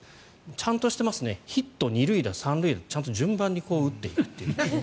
ちゃんとしてますねヒット、２塁打、３塁打ちゃんと順番に打っているという。